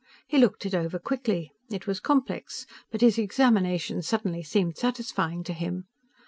He looked it over quickly. It was complex, but his examination suddenly seemed satisfying to him.